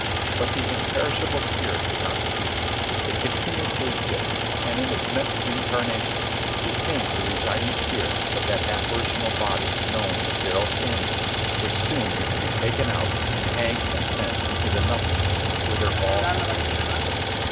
But the imperishable spirit did not cease. It continued to exist, and, in its next incarnation, became the residing spirit of that apparitional body known as Darrell Standing's which soon is to be taken out and hanged and sent into the nothingness whither all apparitions go.